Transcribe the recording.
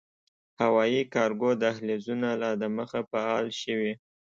هوايي کارګو دهلېزونه لا دمخه “فعال” شوي